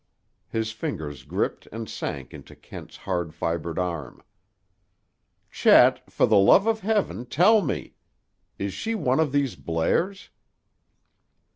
His fingers gripped and sank into Kent's hard fibered arm. "Chet, for the love of heaven, tell me! Is she one of these Blairs?"